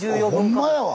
あホンマやわ！